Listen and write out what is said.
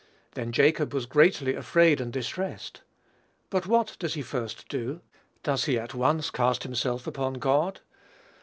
Then Jacob was greatly afraid and distressed." But what does he first do? Does he at once cast himself upon God?